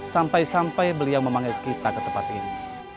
sampai sampai beliau memanggil kita ke tempat ini